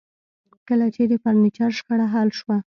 کله چې د فرنیچر شخړه حل شوه